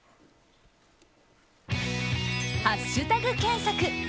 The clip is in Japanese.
ハッシュタグ検索